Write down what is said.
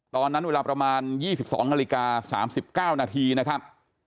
ตอนนั้นเวลาประมาณ๒๒นาฬิกา๓๙นาทีนะครับ